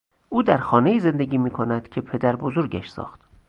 او در خانهای زندگی میکند که پدر بزرگش ساخت.